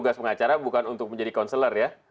tugas pengacara bukan untuk menjadi konselor ya